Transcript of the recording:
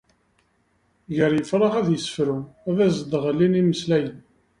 Gar yifrax ad yessefru, ad s-d-ɣlin imeslayen.